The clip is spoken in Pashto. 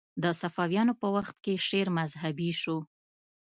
د صفویانو په وخت کې شعر مذهبي شو